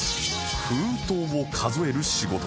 封筒を数える仕事